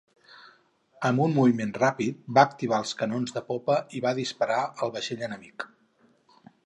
Amb un moviment ràpid, va activar els canons de popa i va disparar el vaixell enemic.